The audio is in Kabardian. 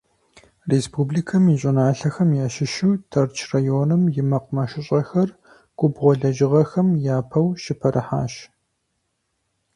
Республикэм и щӏыналъэхэм ящыщу Тэрч районым и мэкъумэшыщӏэхэр губгъуэ лэжьыгъэхэм япэу щыпэрыхьащ.